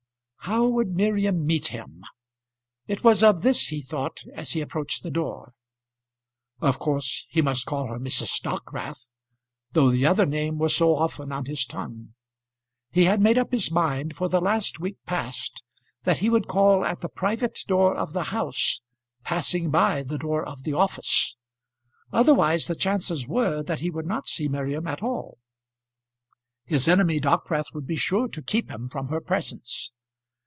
How would Miriam meet him? It was of this he thought, as he approached the door. Of course he must call her Mrs. Dockwrath, though the other name was so often on his tongue. He had made up his mind, for the last week past, that he would call at the private door of the house, passing by the door of the office. Otherwise the chances were that he would not see Miriam at all. His enemy, Dockwrath, would be sure to keep him from her presence.